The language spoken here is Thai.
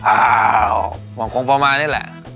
อ้าวหวังคงพอมานี่แหละ